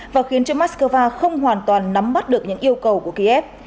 và khiến cho moscow không hoàn toàn nắm bắt được những yêu cầu của kiev